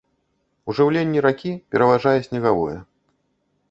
У жыўленні ракі пераважае снегавое.